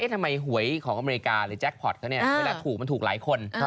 ทำไมหวยของอเมริกาหรือแจ็คพอร์ตเขาเนี่ยเวลาถูกมันถูกหลายคน